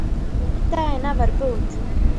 Tai navar byut.